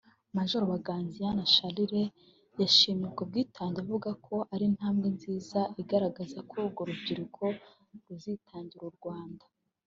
Major Baganziyana Charles yashimiye ubwo bwitange avuka ko ari intambwe nziza igaragaza ko urwo rubyiruko ruzitangira u Rwanda